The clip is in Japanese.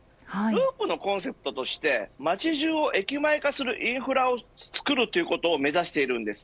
Ｌｕｕｐのコンセプトとして街中を駅前化するインフラをつくるということを目指しています。